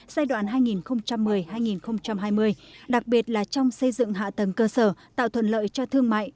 giai đoạn hai nghìn một mươi hai nghìn hai mươi đặc biệt là trong xây dựng hạ tầng cơ sở tạo thuận lợi cho thương mại